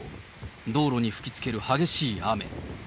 道路に吹きつける激しい雨。